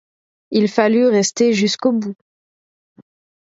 Il fallut rester jusqu'au bout.